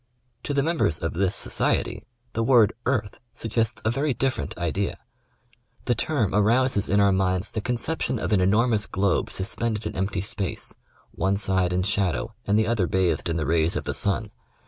To the members of this society the word " earth " suggests a very diffei'ent idea. The term arouses in our minds the concep tion of an enormous globe suspended in empty space, one side in shadow and the other bathed in the rays of the sun.